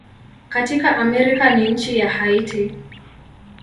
Katika Amerika ni nchi ya Haiti.